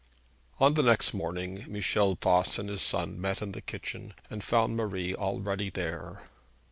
On the next morning Michel Voss and his son met in the kitchen, and found Marie already there.